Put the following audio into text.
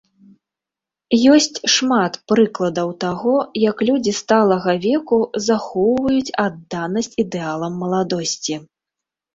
Ёсць шмат прыкладаў таго, як людзі сталага веку захоўваюць адданасць ідэалам маладосці.